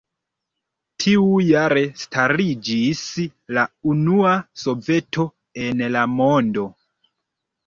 Tiujare stariĝis la unua soveto en la mondo.